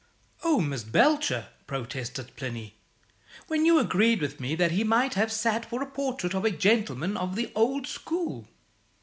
"Oh, Miss Belcher!" protested Plinny. "When you agreed with me that he might have sat for a portrait of a gentleman of the old school!"